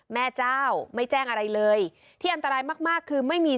แม่เจ้าไม่แจ้งอะไรเลยที่อันตรายมากมากคือไม่มี